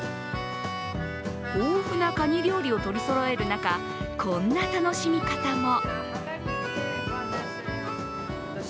豊富なかに料理を取りそろえる中こんな楽しみ方も。